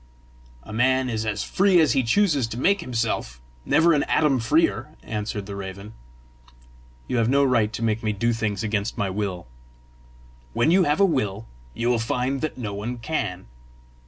"A man is as free as he chooses to make himself, never an atom freer," answered the raven. "You have no right to make me do things against my will!" "When you have a will, you will find that no one can."